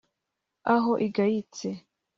aho igayitse